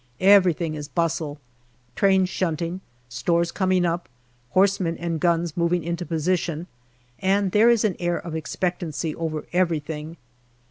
Every thing is bustle trains shunting, stores coming up, horse men and guns moving into position, and there is an air of expectancy over everything.